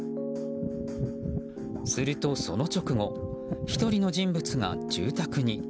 すると、その直後１人の人物が住宅に。